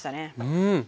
うん！